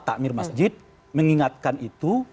takmir masjid mengingatkan itu